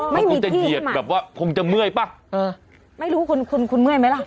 ไม่มีที่ให้ใหม่คงจะเหยียดแบบว่าคงจะเมื่อยป่ะไม่รู้คุณเมื่อยไหมล่ะ